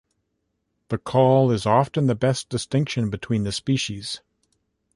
The call is often the best distinction between the species.